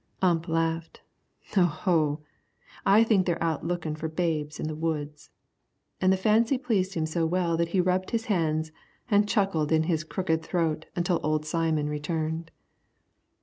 Ump laughed. "Oh ho, I think they're out lookin' for the babes in the woods!" And the fancy pleased him so well that he rubbed his hands and chuckled in his crooked throat until old Simon returned.